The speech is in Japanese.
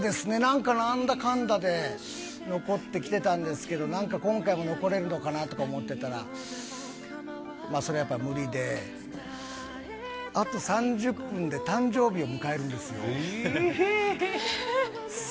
かんだで残ってきてたんですけど、なんか今回も残れるのかなとか思ってたら、それはやっぱり無理で、あと３０分で誕生日を迎えるんですよ。